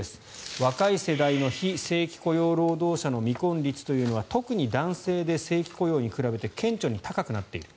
若い世代の非正規雇用労働者の未婚率というのは特に男性で正規雇用に比べて顕著に高くなっている。